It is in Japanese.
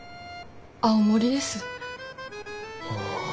青森です。